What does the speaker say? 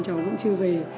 cháu cũng chưa về